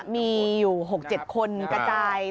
มีอยู่๖๗คนกระจาย